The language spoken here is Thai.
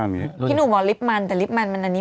มีปากสุขภาพดี